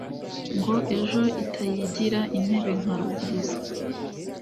ngo ejo itayigira intebe nka ruvuzo,